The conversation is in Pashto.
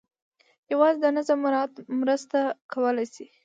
یوازې د نظم مراعات مرسته کولای شي.